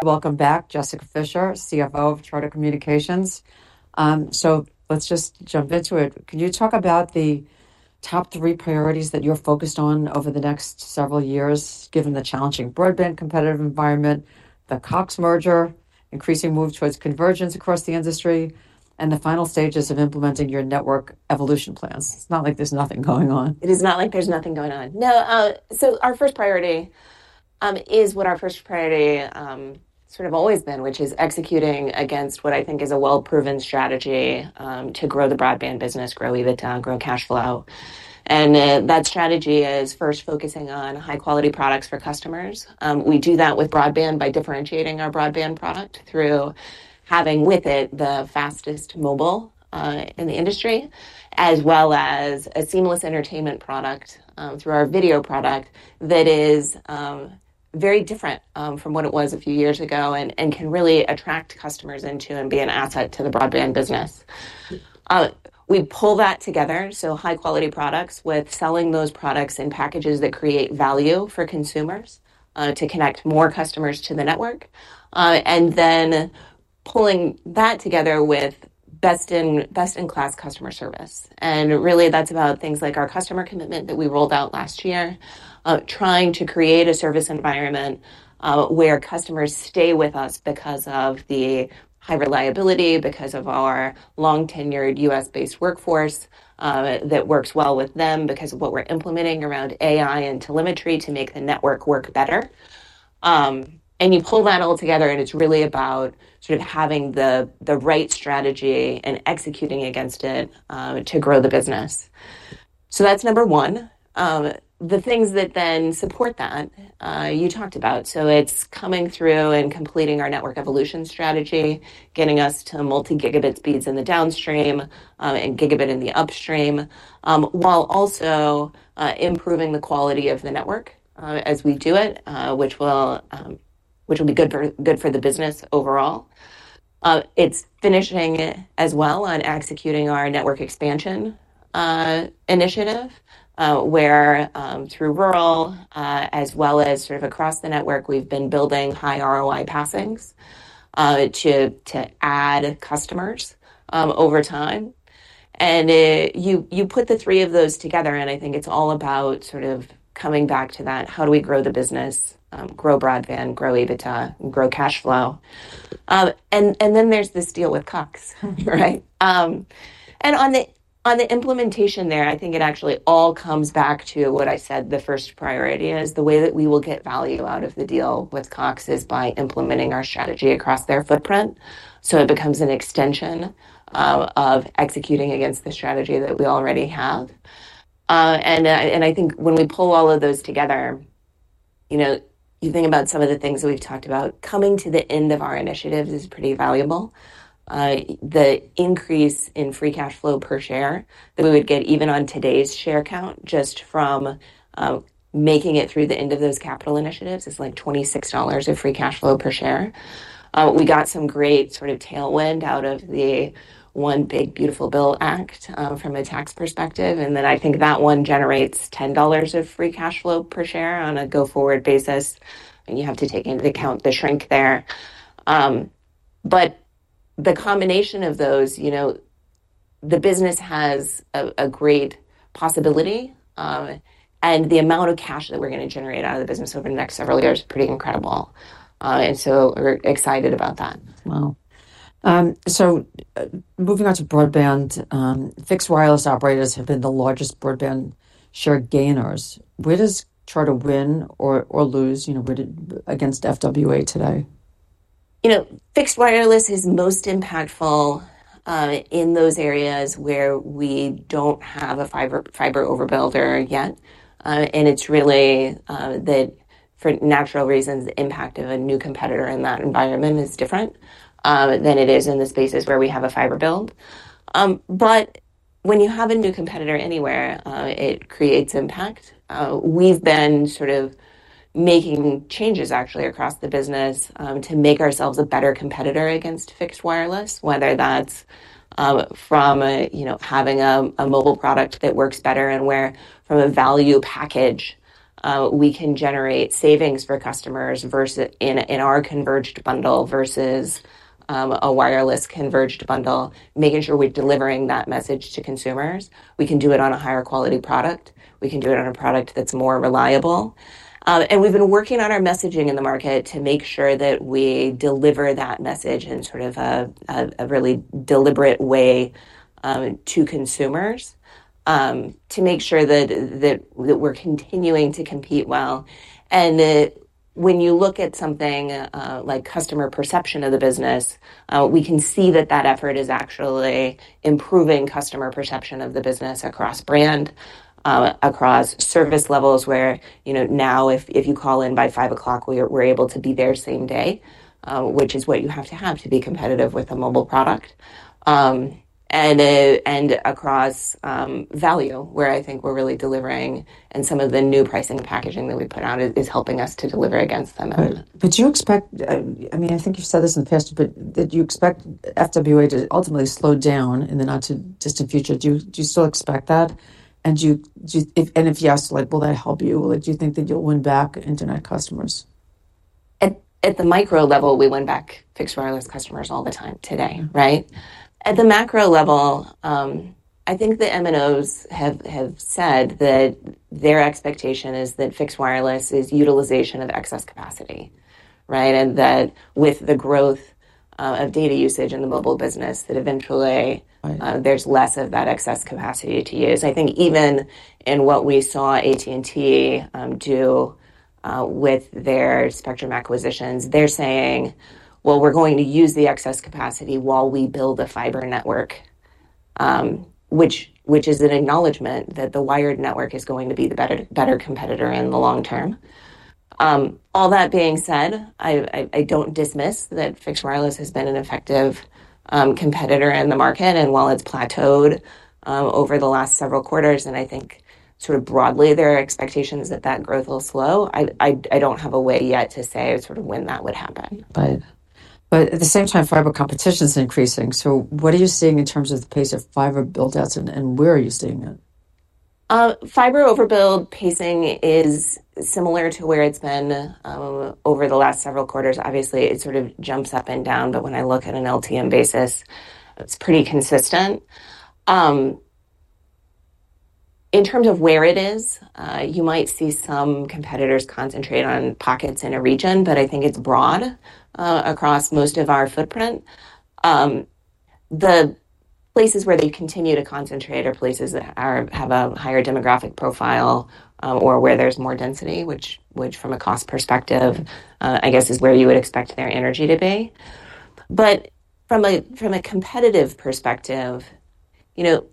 Welcome back. Jessica Fisher, CFO of Charter Communications. So let's just jump into it. Can you talk about the top three priorities that you're focused on over the next several years given the challenging broadband competitive environment, the Cox merger, increasing move towards convergence across the industry, and the final stages of implementing your network evolution plans? Not It's like there's nothing going on. It is not like there's nothing going on. No. So our first priority, is what our first priority, sort of always been, which is executing against what I think is a well proven strategy, to grow the broadband business, grow EBITDA, grow cash flow. And, that strategy is first focusing on high quality products for customers. We do that with broadband by differentiating our broadband product through having with it the fastest mobile, in the industry as well as a seamless entertainment product, through our video product that is, very different, from what it was a few years ago and and can really attract customers into and be an asset to the broadband business. We pull that together, so high quality products with selling those products and packages that create value for consumers, to connect more customers to the network. And then pulling that together with best in best in class customer service. And, really, that's about things like our customer commitment that we rolled out last year, trying to create a service environment, where customers stay with us because of the high reliability, because of our long tenured US based workforce, that works well with them, because of what we're implementing around AI and telemetry to make the network work better. And you pull that all together, and it's really about sort of having the the right strategy and executing against it, to grow the business. So that's number one. The things that then support that, you talked about. So it's coming through and completing our network evolution strategy, getting us to multi gigabit speeds in the downstream, and gigabit in the upstream, while also, improving the quality of the network, as we do it, which will which will be good for good for the business overall. It's finishing as well on executing our network expansion, initiative, where, through rural as well as sort of across the network, we've been building high ROI passings, to to add customers, over time. And you you put the three of those together, and I think it's all about sort of coming back to that. How do we grow the business, grow broadband, grow EBITDA, and grow cash flow? And and then there's this deal with Cox. Right? And on the on the implementation there, I think it actually all comes back to what I said the first priority is the way that we will get value out of the deal with Cox is by implementing our strategy across their footprint. So it becomes an extension of executing against the strategy that we already have. And I and I think when we pull all of those together, you know, you think about some of the things that we've talked about. Coming to the end of our initiatives is pretty valuable. The increase in free cash flow per share that we would get even on today's share count just from, making it through the end of those capital initiatives is, $26 of free cash flow per share. We got some great sort of tailwind out of the one big beautiful bill act from a tax perspective, and then I think that one generates $10 of free cash flow per share on a go forward basis. And you have to take into account the shrink there. But the combination of those, you know, the business has a a great possibility, and the amount of cash that we're gonna generate out of the business over the next several years is pretty incredible. And so we're excited about that. Wow. So moving on to broadband, fixed wireless operators have been the largest broadband share gainers. Where does Charter win or or lose, you know, against FWA today? You know, fixed wireless is most impactful in those areas where we don't have a fiber fiber overbuilder yet. And it's really that for natural reasons, the impact of a new competitor in that environment is different than it is in the spaces where we have a fiber build. But when you have a new competitor anywhere, it creates impact. We've been sort of making changes actually across the business to make ourselves a better competitor against fixed wireless, whether that's from, you know, having a a mobile product that works better and where from a value package, we can generate savings for customers versus in in our converged bundle versus a wireless converged bundle, making sure we're delivering that message to consumers. We can do it on a higher quality product. We can do it on a product that's more reliable. And we've been working on our messaging in the market to make sure that we deliver that message in sort of a a really deliberate way to consumers to make sure that that that we're continuing to compete well. And when you look at something, like customer perception of the business, we can see that that effort is actually improving customer perception of the business across brand, across service levels where, you know, now if if you call in by 05:00, we are we're able to be there same day, which is what you have to have to be competitive with a mobile product. And and across, value where I think we're really delivering some of the new pricing and packaging that we put out is helping us to deliver against them. Right. But you expect I mean, I think you've said this in the past, but did you expect FWA to ultimately slow down in the not too distant future? Do you do you still expect that? And do you do you if and if yes, like, will that help you? Like, do you think that you'll win back Internet customers? At at the micro level, we win back fixed wireless customers all the time today. Right? At the macro level, I think the MNOs have have said that their expectation is that fixed wireless is utilization of excess capacity. Right? And that with the growth of data usage in the mobile business that eventually there's less of that excess capacity to use. I think even in what we saw AT and T do with their spectrum acquisitions, they're saying, well, we're going to use the excess capacity while we build a fiber network, which which is an acknowledgment that the wired network is going to be the better better competitor in the long term. All that being said, I I I don't dismiss that fixed wireless has been an effective competitor in the market. While it's plateaued over the last several quarters and I think sort of broadly their expectation is that that growth will slow, I I I don't have a way yet to say sort of when that would happen. But but at the same time, competition is increasing. So what are you seeing in terms of the pace of fiber build outs and and where are you seeing that? Fiber overbuild pacing is similar to where it's been, over the last several quarters. Obviously, it sort of jumps up and down, but when I look at an LTM basis, it's pretty consistent. In terms of where it is, you might see some competitors concentrate on pockets in a region, but I think it's broad across most of our footprint. The places where they continue to concentrate are places that are have a higher demographic profile or where there's more density, which which from a cost perspective, I guess, is where you would expect their energy to be. But from a from a competitive perspective, you know,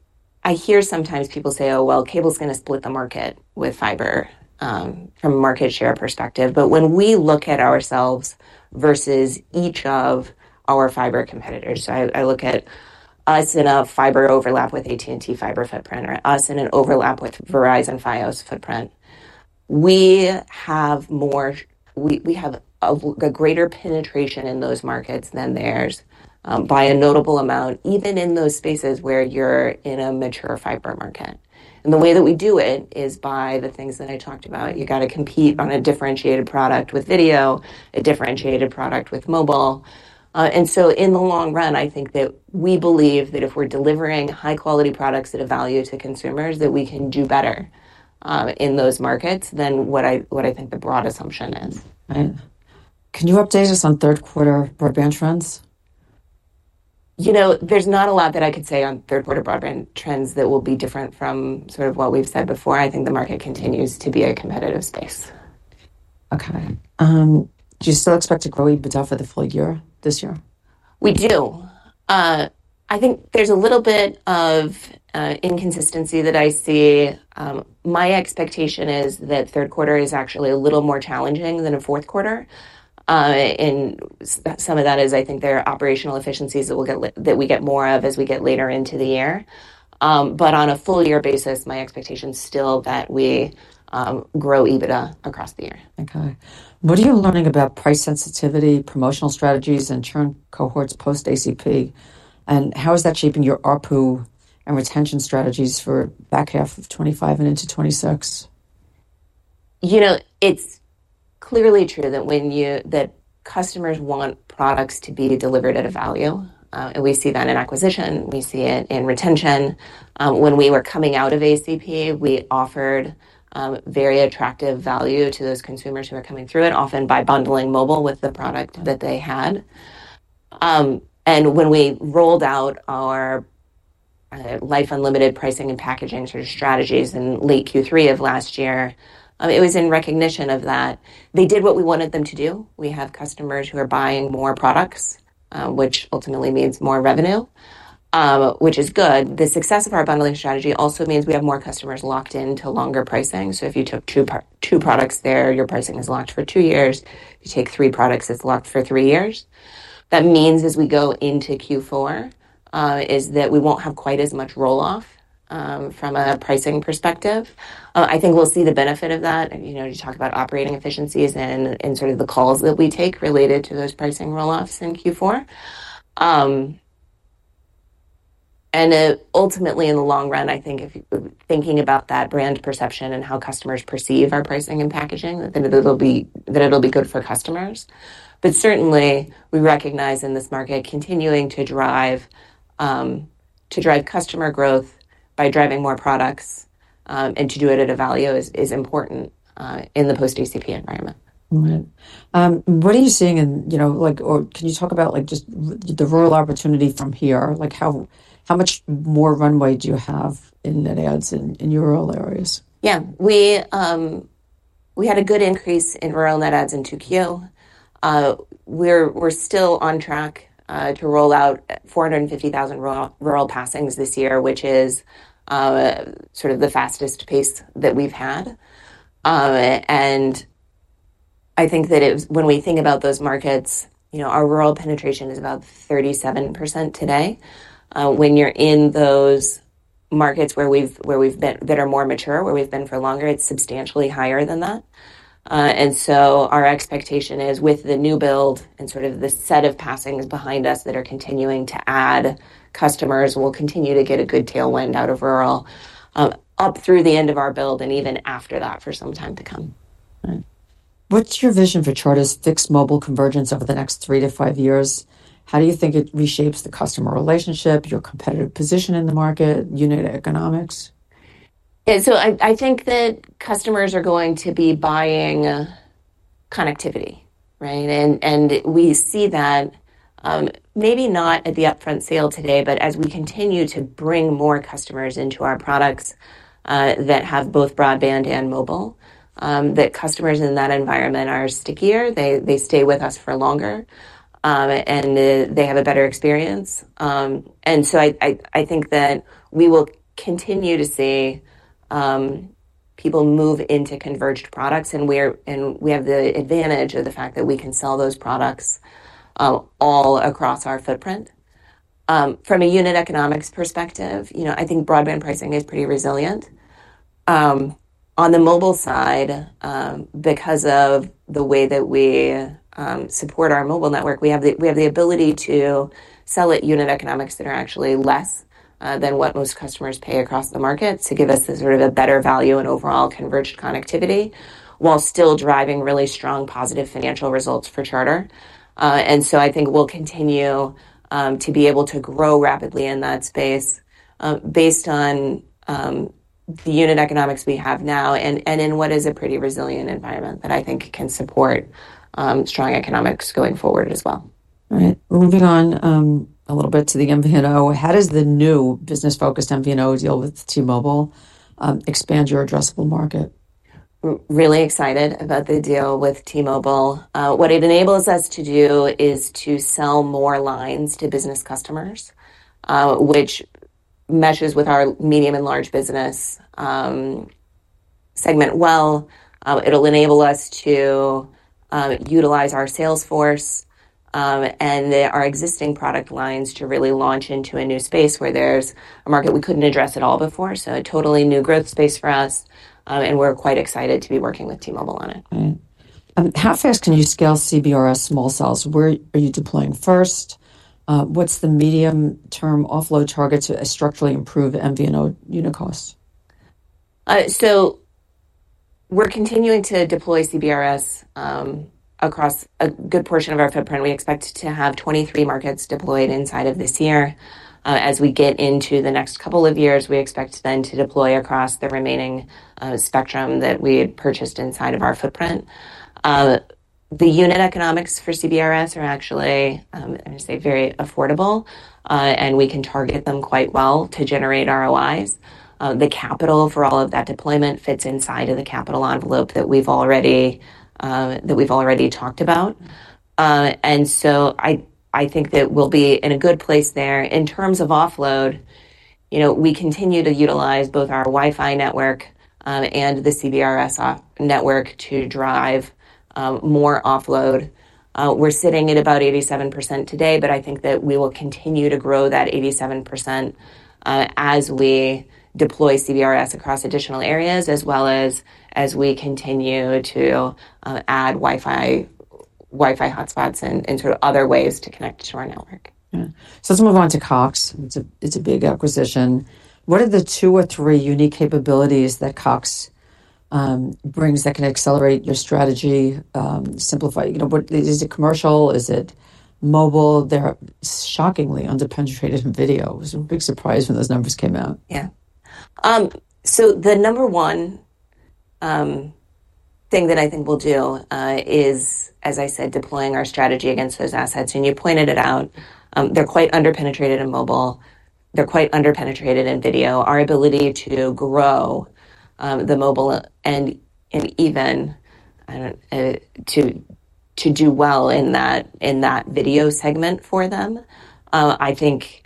I hear sometimes people say, oh, well, cable's gonna split the market with fiber from a market share perspective. But when we look at ourselves versus each of our fiber competitors, so I I look at us in a fiber overlap with AT and T fiber footprint or us in an overlap with Verizon Fios footprint, we have more we we have a a greater penetration in those markets than theirs by a notable amount even in those spaces where you're in a mature fiber market. And the way that we do it is by the things that I talked about. You gotta compete on a differentiated product with video, a differentiated product with mobile. And so in the long run, I think that we believe that if we're delivering high quality products that are valued to consumers, that we can do better in those markets than what I what I think the broad assumption is. Right. Can you update us on third quarter broadband trends? You know, there's not a lot that I could say on third quarter broadband trends that will be different from sort of what we've said before. I think the market continues to be a competitive space. Okay. Do you still expect to grow EBITDA for the full year, this year? We do. I think there's a little bit of inconsistency that I see. My expectation is that third quarter is actually a little more challenging than a fourth quarter. And some of that is, I think, their operational efficiencies that we'll get that we get more of as we get later into the year. But on a full year basis, my expectation is still that we grow EBITDA across the year. Okay. What are you learning about price sensitivity, promotional strategies, and churn cohorts post ACP? And how is that shaping your ARPU and retention strategies for back half of twenty five and into '26? You know, it's clearly true that when you that customers want products to be delivered at a value, and we see that in acquisition. We see it in retention. When we were coming out of ACP, we offered very attractive value to those consumers who are coming through and often by bundling mobile with the product that they had. And when we rolled out our life unlimited pricing and packaging sort of strategies in late q three of last year, It was in recognition of that. They did what we wanted them to do. We have customers who are buying more products, which ultimately means more revenue, which is good. The success of our bundling strategy also means we have more customers locked in to longer pricing. So if you took two two products there, your pricing is locked for two years. You take three products, it's locked for three years. That means as we go into q four, is that we won't have quite as much roll off from a pricing perspective. I think we'll see the benefit of that. And, you know, you talk about operating efficiencies and and sort of the calls that we take related to those pricing roll offs in q four. And, ultimately, in the long run, I think if you thinking about that brand perception and how customers perceive our pricing and packaging, then it'll be that it'll be good for customers. But, certainly, we recognize in this market continuing to drive to drive customer growth by driving more products and to do it at a value is is important in the post DCP environment. Right. What are you seeing in, you know, like or can you talk about, like, just the rural opportunity from here? Like, how how much more runway do you have in net ads in in your rural areas? Yeah. We had a good increase in rural net adds in 2Q. We're we're still on track to roll out 450,000 rural passings this year, which is sort of the fastest pace that we've had. And I think that it was when we think about those markets, you know, our rural penetration is about 37% today. When you're in those markets where we've where we've been that are more mature, where we've been for longer, substantially higher than that. And so our expectation is with the new build and sort of the set of passings behind us that are continuing to add customers, we'll continue to get a good tailwind out of rural up through the end of our build and even after that for some time to come. What's your vision for Charter's fixed mobile convergence over the next three to five years? How do you think it reshapes the customer relationship, your competitive position in the market, unit economics? Yeah. So I I think that customers are going to be buying connectivity. Right? And and we see that, maybe not at the upfront sale today, but as we continue to bring more customers into our products that have both broadband and mobile, that customers in that environment are stickier. They they stay with us for longer, and they have a better experience. And so I I I think that we will continue to see people move into converged products, and we're and we have the advantage of the fact that we can sell those products all across our footprint. From a unit economics perspective, you know, I think broadband pricing is pretty resilient. On the mobile side, because of the way that we support our mobile network, we have the we have the ability to sell it unit economics that are actually less than what most customers pay across the market to give us a sort of a better value and overall converged connectivity while still driving really strong positive financial results for Charter. And so I think we'll continue to be able to grow rapidly in that space based on the unit economics we have now and and in what is a pretty resilient environment that I think can support strong economics going forward as well. Alright. Moving the MVNO. How does the new business focused MVNO deal with T Mobile expand your addressable market? Really excited about the deal with T Mobile. What it enables us to do is to sell more lines to business customers, which measures with our medium and large business segment well. It'll enable us to utilize our Salesforce and our existing product lines to really launch into a new space where there's a market we couldn't address at all before. So a totally new growth space for us, and we're quite excited to be working with T Mobile on it. Right. How fast can you scale CBRS small cells? Where are you deploying first? What's the medium term offload target to a structurally improved MVNO unit cost? So we're continuing to deploy CBRS, across a good portion of our footprint. We expect to have 23 markets deployed inside of this year. As we get into the next couple of years, we expect then to deploy across the remaining spectrum that we had purchased inside of our footprint. The unit economics for CBRS are actually, I'm say, very affordable, and we can target them quite well to generate ROIs. The capital for all of that deployment fits inside of the capital envelope that we've already that we've already talked about. And so I I think that we'll be in a good place there. In terms of offload, you know, we continue to utilize both our WiFi network and the CBRS network to drive more offload. We're sitting at about 87% today, but I think that we will continue to grow that 87% as we deploy CBRS across additional areas as well as as we continue to add Wi Fi Wi Fi hotspots and and sort of other ways to connect to our network. Yeah. So let's move on to Cox. It's a it's a big acquisition. What are the two or three unique capabilities that Cox brings that can accelerate your strategy, simplify? You know, what is it commercial? Is it mobile? They're shockingly under penetrated in video. Was a big surprise when those numbers came out. Yeah. So the number one, thing that I think we'll do, is, as I said, deploying our strategy against those assets. And you pointed it out, they're quite under penetrated in mobile. They're quite underpenetrated in video. Our ability to grow, the mobile and and even to to do well in that in that video segment for them, I think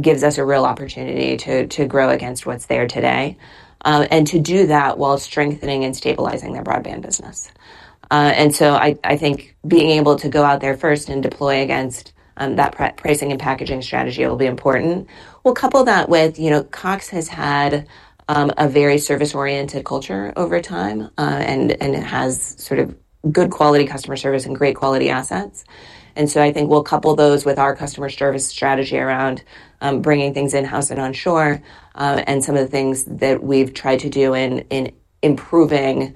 gives us a real opportunity to to grow against what's there today and to do that while strengthening and stabilizing their broadband business. And so I I think being able to go out there first and deploy against that pricing and packaging strategy will be important. We'll couple that with you know, Cox has had a very service oriented culture over time, and and it has sort of good quality customer service and great quality assets. And so I think we'll couple those with our customer service strategy around, bringing things in house and onshore, and some of the things that we've tried to do in in improving,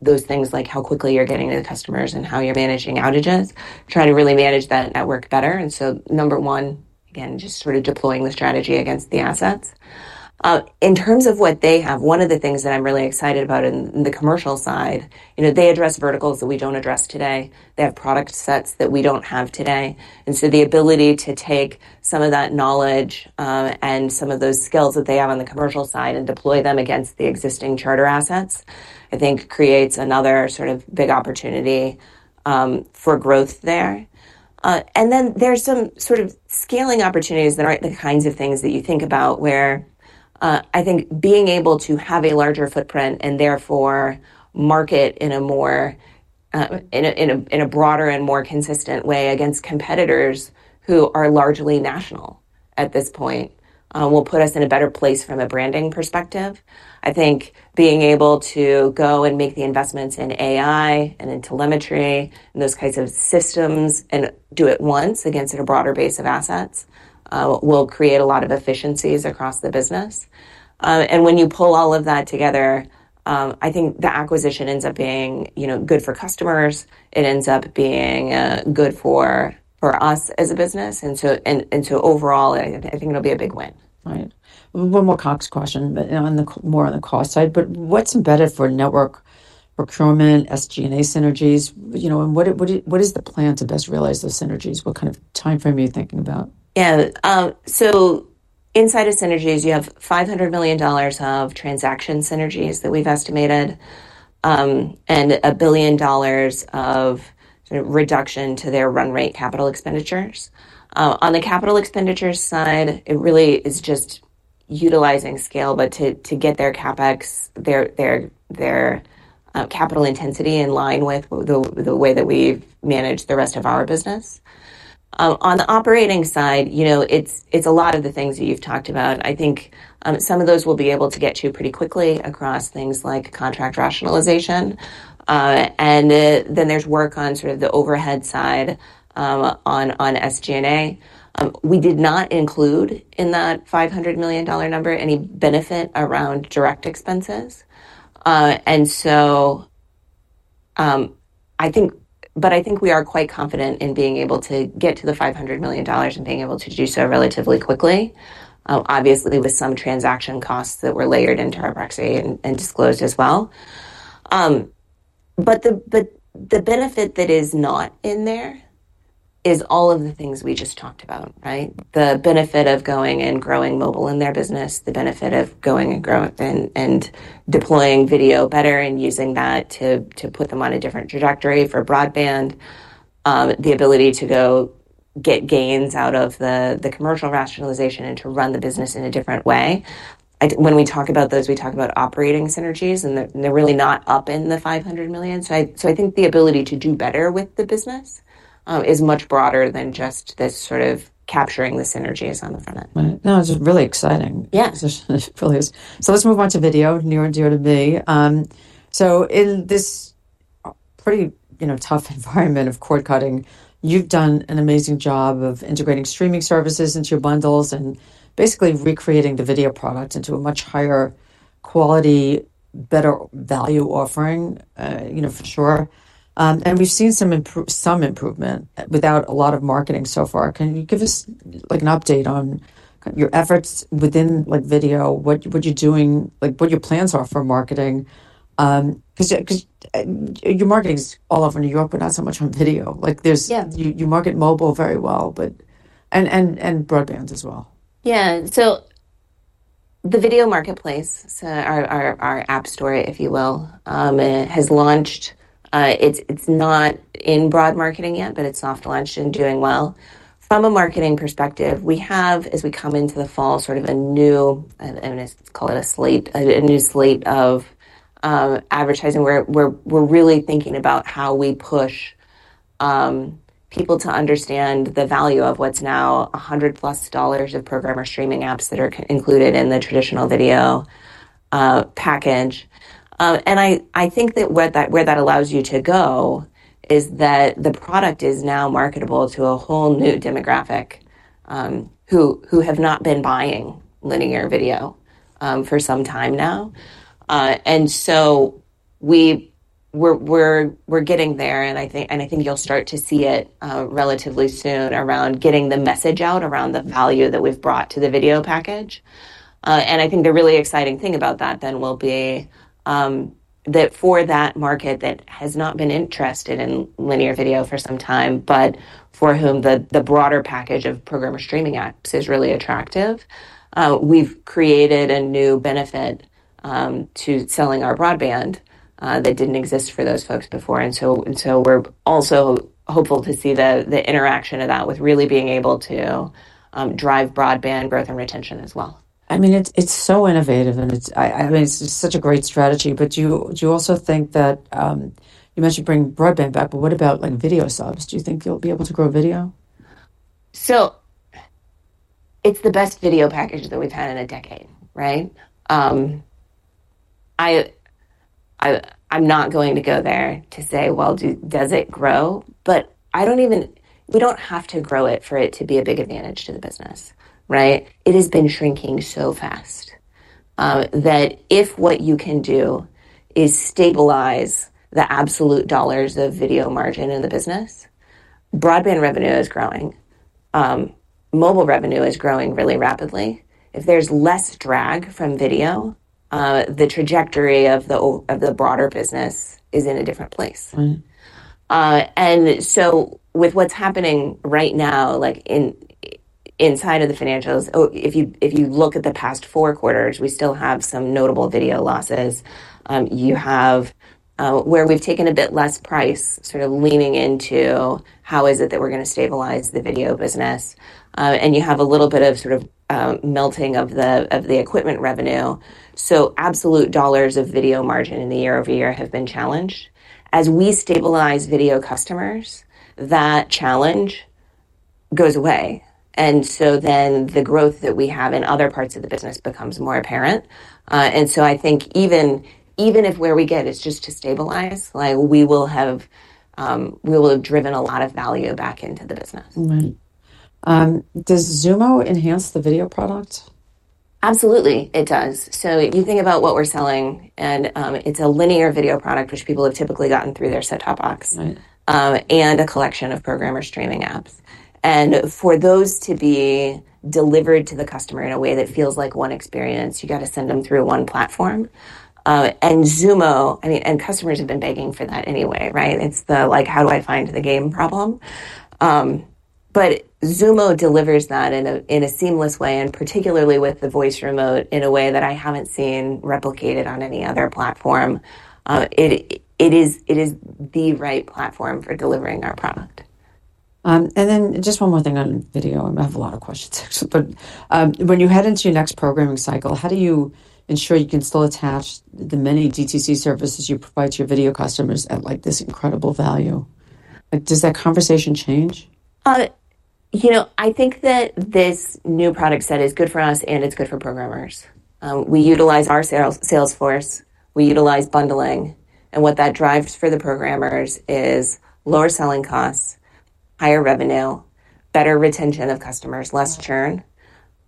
those things, like how quickly you're getting to the customers and how you're managing outages, try to really manage that network better. And so number one, again, just sort of deploying the strategy against the assets. In terms of what they have, one of the things that I'm really excited about in the commercial side, you know, they address verticals that we don't address today. They have product sets that we don't have today. And so the ability to take some of that knowledge and some of those skills that they have on the commercial side and deploy them against the existing charter assets, I think, creates another sort of big opportunity for growth there. And then there's some sort of scaling opportunities that aren't the kinds of things that you think about where I think being able to have a larger footprint and therefore market in a more, in a in a in a broader and more consistent way against competitors who are largely national at this point, will put us in a better place from a branding perspective. I think being able to go and make the investments in AI and in telemetry and those kinds of systems and do it once against a broader base of assets, will create a lot of efficiencies across the business. And when you pull all of that together, I think the acquisition ends up being, you know, good for customers. It ends up being, good for for us as a business. And so and and so overall, I I think it'll be a big win. Right. One more Cox question, but on the more on the cost side. But what's embedded for network procurement, s g and a synergies? You know, and what what what is the plan to best realize those synergies? What kind of time frame are you thinking about? Yeah. So inside of synergies, you have $500,000,000 of transaction synergies that we've estimated, and a billion dollars of sort of reduction to their run rate capital expenditures. On the capital expenditure side, it really is just utilizing scale, but to to get their CapEx their their their capital intensity in line with the the way that we manage the rest of our business. On the operating side, you know, it's it's a lot of the things that you've talked about. I think some of those will be able to get to pretty quickly across things like contract rationalization. And then there's work on sort of the overhead side on on s g and a. We did not include in that $500,000,000 number any benefit around direct expenses. And so I think but I think we are quite confident in being able to get to the $500,000,000 and being able to do so relatively quickly. Obviously, with some transaction costs that were layered into our proxy and and disclosed as well. But the but the benefit that is not in there is all of the things we just talked about. Right? The benefit of going and growing mobile in their business, the benefit of going and grow and and deploying video better and using that to to put them on a different trajectory for broadband, the ability to go get gains out of the the commercial rationalization and to run the business in a different way. I when we talk about those, we talk about operating synergies, and they're they're really not up in the 500,000,000. So I so I think the ability to do better with the business is much broader than just this sort of capturing the synergies on the front end. Right. No. It's just really exciting. Yeah. It's just it really is. So let's move on to video, near and dear to me. So in this pretty, you know, tough environment of cord cutting, you've done an amazing job of integrating streaming services into your bundles and basically recreating the video product into a much higher quality, better value offering, you know, for sure. And we've seen some improve some improvement without a lot of marketing so far. Can you give us, like, an update on your efforts within, like, video? What what you're doing like, what your plans are for marketing? Because because your marketing's all over New York, but not so much on video. Like, there's Yeah. You you market mobile very well, but and and and broadband as well. Yeah. So the video marketplace, so our our our app store, if you will, has launched. It's it's not in broad marketing yet, but it's soft launched and doing well. From a marketing perspective, we have, as we come into the fall, sort of a new don't Let's called a slate a new slate of advertising where we're we're really thinking about how we push people to understand the value of what's now a 100 of programmer streaming apps that are included in the traditional video package. And I I think that what that where that allows you to go is that the product is now marketable to a whole new demographic who who have not been buying linear video for some time now. And so we we're we're we're getting there, and I think and I think you'll start to see it relatively soon around getting the message out around the value that we've brought to the video package. And I think the really exciting thing about that then will be that for that market that has not been interested in linear video for some time, but for whom the the broader package of program or streaming apps is really attractive, we've created a new benefit to selling our broadband that didn't exist for those folks before. And so and so we're also hopeful to see the the interaction of that with really being able to drive broadband growth and retention as well. I mean, it's it's so innovative and it's I I mean, it's just such a great strategy. But do you do you also think that you mentioned bringing broadband back, but what about, like, video subs? Do you think you'll be able to grow video? So it's the best video package that we've had in a decade. Right? I I I'm not going to go there to say, well, do does it grow? But I don't even we don't have to grow it for it to be a big advantage to the business. Right? It has been shrinking so fast, that if what you can do is stabilize the absolute dollars of video margin in the business, Broadband revenue is growing. Mobile revenue is growing really rapidly. If there's less drag from video, the trajectory of the of the broader business is in a different place. And so with what's happening right now, like, in inside of the financials oh, if you if you look at the past four quarters, we still have some notable video losses. You have where we've taken a bit less price, sort of leaning into how is it that we're gonna stabilize the video business. And you have a little bit of sort of, melting of the of the equipment revenue. So absolute dollars of video margin in the year over year have been challenged. As we stabilize video customers, that challenge goes away. And so then the growth that we have in other parts of the business becomes more apparent. And so I think even even if where we get is just to stabilize, like, we will have, we will have driven a lot of value back into the business. Right. Does Zumo enhance the video product? Absolutely. It does. So if you think about what we're selling and it's a linear video product which people have typically gotten through their set top box Right. And a collection of programmer streaming apps. And for those to be delivered to the customer in a way that feels like one experience, you gotta send them through one platform. And Zumo I mean, and customers have been begging for that anyway. Right? It's the, like, how do I find the game problem? But Zumo delivers that in a in a seamless way and particularly with the voice remote in a way that I haven't seen replicated on any other platform. Platform. It it is it is the right platform for delivering our product. And then just one more thing on video. I have a lot of questions, actually. But, when you head into your next programming cycle, how do you ensure you can still attach the many DTC services you provide to your video customers at, this incredible value? Like, does that conversation change? You know, I think that this new product set is good for us and it's good for programmers. We utilize our sales Salesforce. We utilize bundling. And what that drives for the programmers is lower selling costs, higher revenue, better retention of customers, less churn.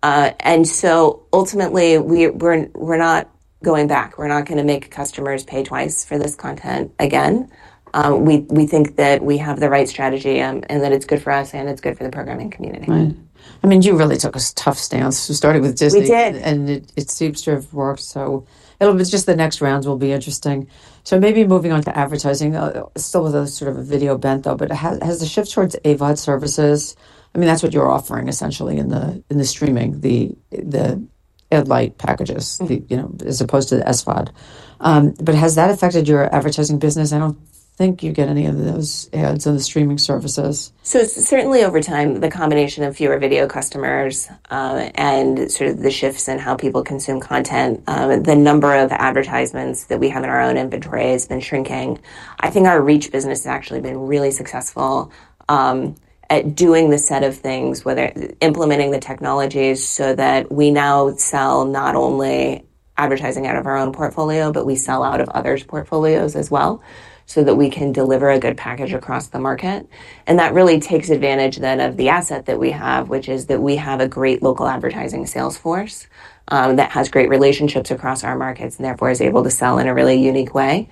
And so, ultimately, we're we're we're We're not gonna make customers pay twice for this content again. We we think that we have the right strategy, and that it's good for us and it's good for the programming community. Right. I mean, you really took a tough stance starting with Disney. We did. And it it seems to have worked. So it it was just the next rounds will be interesting. So maybe moving on to advertising, still with a sort of a video bent, though, but has has the shift towards AVOD services? I mean, that's what you're offering essentially in the in the streaming, the the Ed Lite packages, you know, as opposed to the SVOD. But has that affected your advertising business? I don't think you get any of those ads on the streaming services. So it's certainly over time, the combination of fewer video customers and sort of the shifts in how people consume content, the number of advertisements that we have in our own inventory has been shrinking. I think our reach business has actually been really successful at doing the set of things, whether implementing the technologies so that we now sell not only advertising out of our own portfolio, but we sell out of others portfolios as well so that we can deliver a good package across the market. And that really takes advantage then of the asset that we have, which is that we have a great local advertising sales force, that has great relationships across our markets and therefore is able to sell in a really unique way.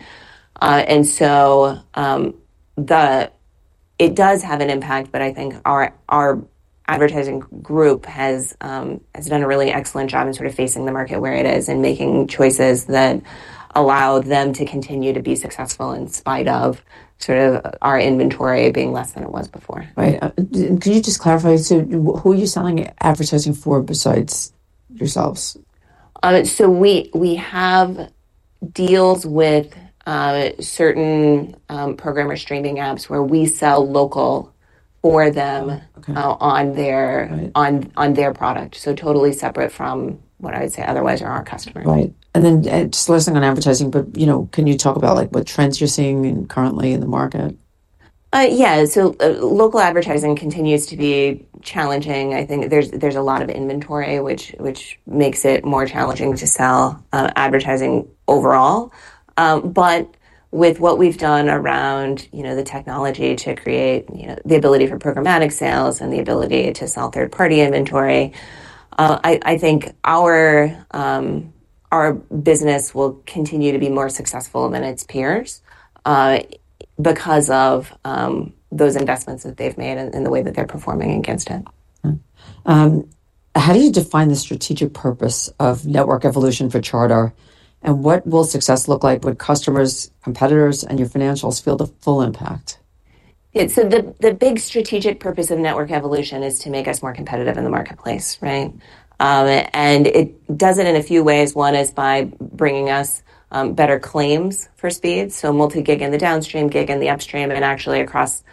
And so the it does have an impact, but I think our our advertising group has has done a really excellent job in sort of facing the market where it is and making choices that allow them to continue to be successful in spite of sort of our inventory being less than it was before. Right. Can you just clarify? So who are you selling advertising for besides yourselves? So we we have deals with certain programmer streaming apps where we sell local for them on their on their product. So totally separate from what I would say otherwise are our customers. Right. And then just last thing on advertising, but, you know, can you talk about, like, what trends you're seeing currently in the market? Yeah. So local advertising continues to be challenging. I think there's there's a lot of inventory, which which makes it more challenging to sell, advertising overall. But with what we've done around, you know, the technology to create, you know, the ability for programmatic sales and the ability to sell third party inventory, I I think our our business will continue to be more successful than its peers because of those investments that they've made and and the way that they're performing against it. How do you define the strategic purpose of network evolution for Charter? And what will success look like with customers, competitors, and your financials feel the full impact? It's the the big strategic purpose of network evolution is to make us more competitive in the marketplace. Right? And it does it in a few ways. One is by bringing us better claims for speed. So multi gig in the downstream, gig in the upstream, and then actually across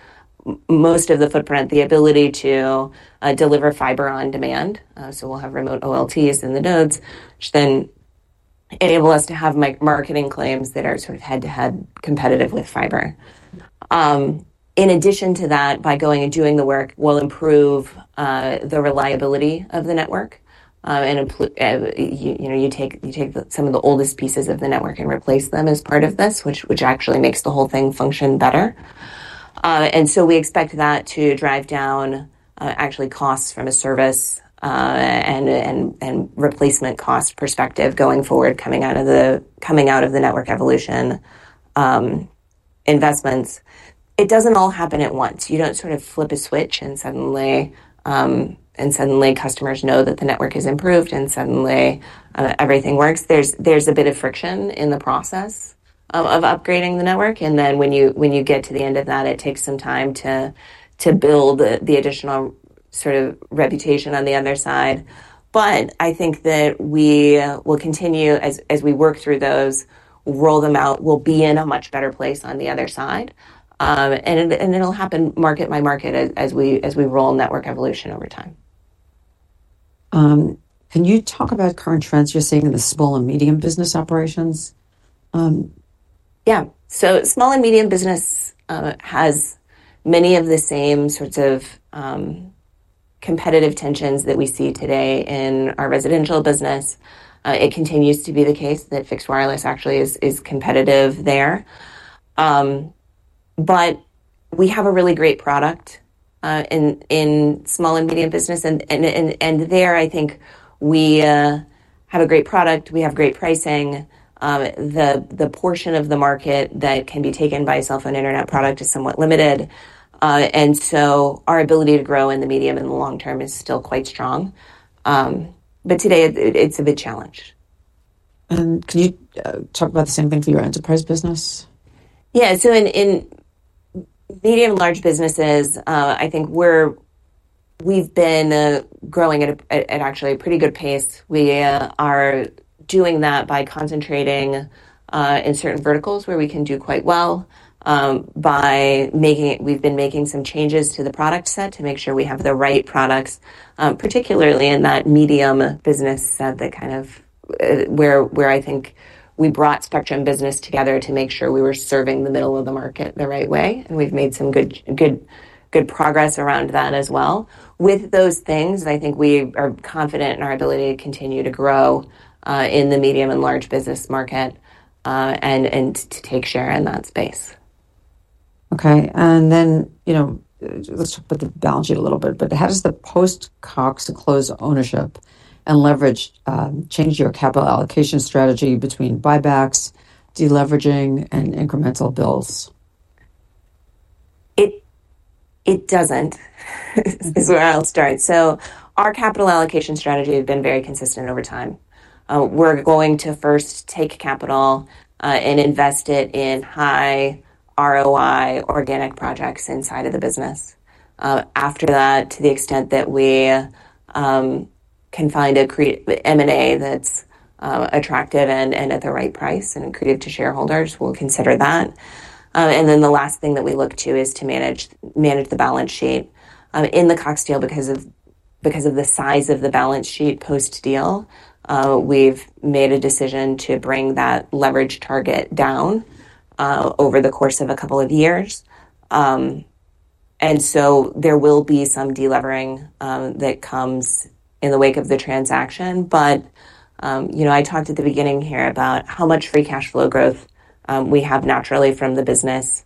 most of the footprint, ability to deliver fiber on demand. So we'll have remote OLTs in the nodes, which then enable us to have my marketing claims that are sort of head to head competitive with fiber. In addition to that, by going and doing the work, we'll improve, the reliability of the network and, you know, you take you take some of the oldest pieces of the network and replace them as part of this, which which actually makes the whole thing function better. And so we expect that to drive down, actually costs from a service and and and replacement cost perspective going forward coming out of the coming out of the network evolution investments. It doesn't all happen at once. You don't sort of flip a switch and suddenly and suddenly customers know that the network has improved and suddenly everything works. There's there's a bit of friction in the process of upgrading the network. And then when you when you get to the end of that, it takes some time to to build the additional sort of reputation on the other side. But I think that we will continue as as we work through those, roll them out. We'll be in a much better place on the other side. And and it'll happen market by market as we as we roll network evolution over time. Can you talk about current trends you're seeing in the small and medium business operations? Yeah. So small and medium business has many of the same sorts of competitive tensions that we see today in our residential business. It continues to be the case that fixed wireless actually is is competitive there. But we have a really great product, in in small and medium business, and and and and there, I think we, have a great product. We have great pricing. The the portion of the market that can be taken by cell phone Internet product is somewhat limited. And so our ability to grow in the medium and the long term is still quite strong. But today, it it it's a big challenge. And can you talk about the same thing for your enterprise business? Yeah. So in in medium and large businesses, I think we're we've been growing at a at at actually a pretty good pace. We are doing that by concentrating in certain verticals where we can do quite well by making we've been making some changes to the product set to make sure we have the right products, particularly in that medium business that kind of where where I think we brought Spectrum business together to make sure we were serving the middle of the market the right way, and we've made some good good good progress around that as well. With those things, I think we are confident in our ability to continue to grow in the medium and large business market and and to take share in that space. Okay. And then, you know, let's look at the balance sheet a little bit. But how does the post Cox close ownership and leverage change your capital allocation strategy between buybacks, deleveraging, and incremental bills? It it doesn't is where I'll start. So our capital allocation strategy has been very consistent over time. We're going to first take capital and invest it in high ROI organic projects inside of the business. After that, to the extent that we can find a create m and a that's attractive and and at the right price and accretive to shareholders, we'll consider that. And then the last thing that we look to is to manage manage the balance sheet. In the Cox deal, of because of the size of the balance sheet post deal, we've made a decision to bring that leverage target down over the course of a couple of years. And so there will be some delevering that comes in the wake of the transaction. But, you know, I talked at the beginning here about how much free cash flow growth, we have naturally from the business.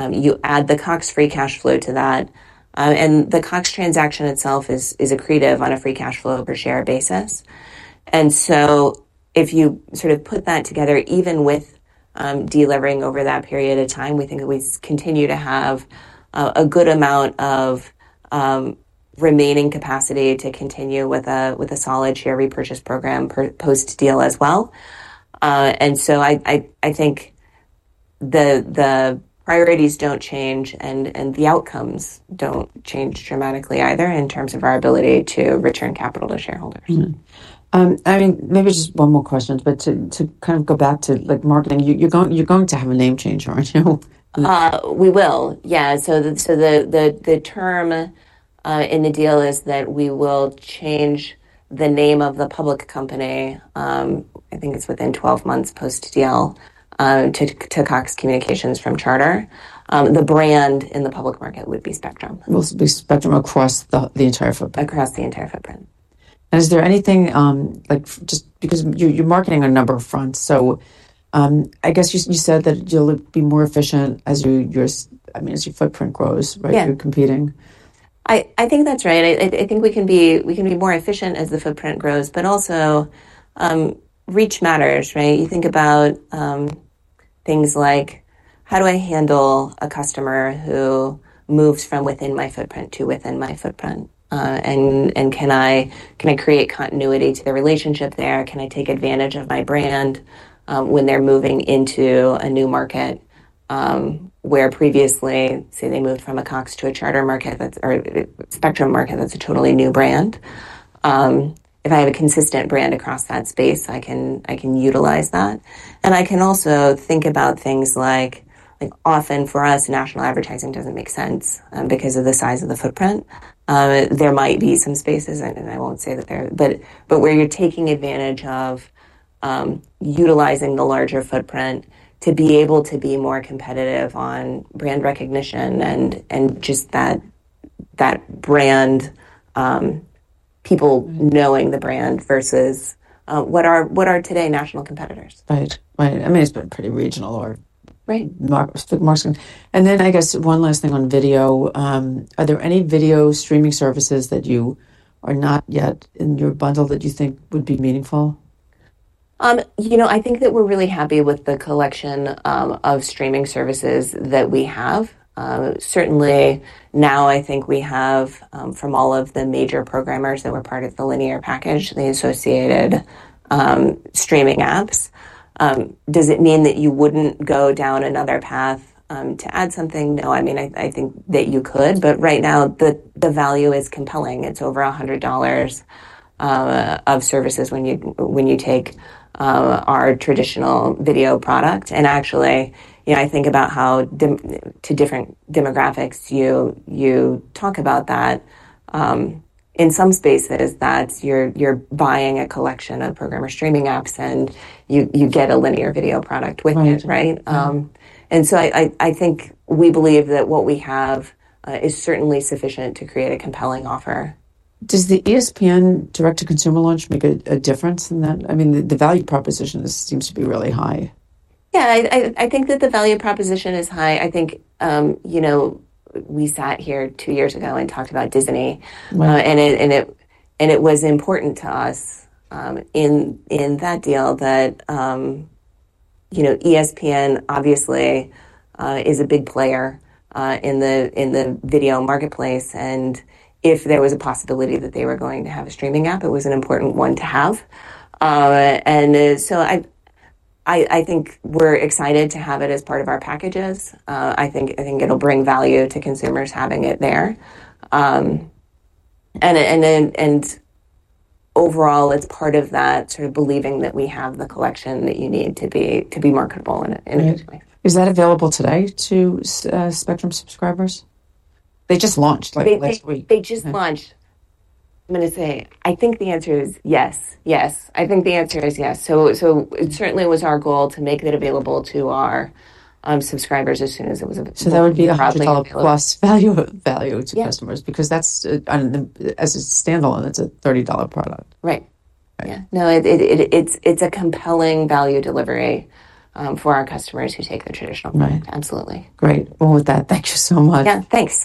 You add the Cox free cash flow to that, and the Cox transaction itself is is accretive on a free cash flow per share basis. And so if you sort of put that together even with, delevering over that period of time, we think that we continue to have a a good amount of remaining capacity to continue with a with a solid share repurchase program per post deal as well. And so I I I think the the priorities don't change, and and the outcomes don't change dramatically either in terms of our ability to return capital to shareholders. I mean, just one more question, to kind of go back to like marketing, you're going to have a name change, aren't you? We will. Yeah. So the term in the deal is that we will change the name of the public company, I think it's within twelve months post deal, to Cox Communications from Charter. The brand in the public market would be Spectrum. It would be Spectrum across the entire footprint. Across the entire footprint. And is there anything, like, just because you're marketing on a number of fronts, so I guess you said that you'll be more efficient as your footprint grows, right, I if you're think that's right. I think we can be more efficient as the footprint grows, but also reach matters. Right? You think about things like, how do I handle a customer who moves from within my footprint to within my footprint? And and can I can I create continuity to the relationship there? Can I take advantage of my brand when they're moving into a new market where previously, say, they moved from a Cox to a charter market that's or Spectrum market that's a totally new brand? If I have a consistent brand across that space, I can I can utilize that? And I can also think about things like like often for us, national advertising doesn't make sense because of the size of the footprint. There might be some spaces, and and I won't say that there but but where you're taking advantage of utilizing the larger footprint to be able to be more competitive on brand recognition and and just that that brand knowing the brand versus what are what are today national competitors. Right. Right. I mean, it's been pretty regional or Right. Mark and then I guess one last thing on video. Are there any video streaming services that you are not yet in your bundle that you think would be meaningful? You know, I think that we're really happy with the collection, of streaming services that we have. Certainly, now I think we have, from all of the major programmers that were part of the linear package, the associated streaming apps. Does it mean that you wouldn't go down another path to add something? No. I mean, I I think that you could, but right now, the the value is compelling. It's over a $100 of services when you when you take our traditional video product. And, actually, you know, I think about how dim to different demographics you you talk about that in some spaces that you're you're buying a collection of programmer streaming apps and you you get a linear video product with it. Right? And so I I I think we believe that what we have, is certainly sufficient to create a compelling offer. Does the ESPN direct to consumer launch make a a difference in that? I mean, the the value proposition seems to be really high. Yeah. I I I think that the value proposition is high. I think, you know, we sat here two years ago and talked about Disney. Wow. And it and it and it was important to us in in that deal that, you know, ESPN obviously is a big player in the in the video marketplace. And if there was a possibility that they were going to have a streaming app, it was an important one to have. And so I I I think we're excited to have it as part of our packages. I think I think it'll bring value to consumers having it there. And and then and overall, it's part of that sort of believing that we have the collection that you need to be to be marketable in a in a that available today to Spectrum subscribers? They just launched, like, They last just launched. I'm gonna say, I think the answer is yes. Yes. I think the answer is yes. So so it certainly was our goal to make that available to our subscribers as soon as it was So that would be a plus value value to customers because that's as a standalone, it's a $30 product. Right. Right. Yeah. No. It it it it's it's a compelling value delivery for our customers who take their traditional product. Absolutely. Great. Well, with that, thank you so much. Yeah, thanks.